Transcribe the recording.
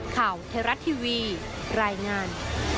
ข่าวเทราะต์ทีวีรายงาน